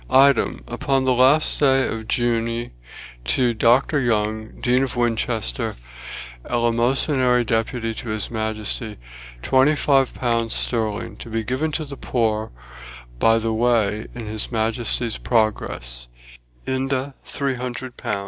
"Item, upoun the last day of Junii to Doctor Young, Deane of Winchester, Elimozinar Deput to his Majestic, twentie fyve pund sterling, to be gevin to the puir be the way in his Majesteis progress Inde, iij c li."